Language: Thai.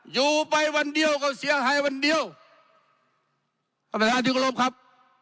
อยู่ไปวันเดียวก็เสียหายวันเดียวอัศวินาธิกรมครับ